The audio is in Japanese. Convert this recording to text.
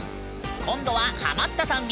今度はハマったさん